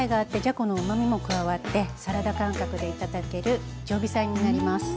このうまみも加わってサラダ感覚でいただける常備菜になります。